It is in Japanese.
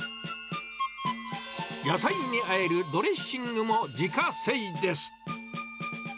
野菜にあえるドレッシングも自家製です。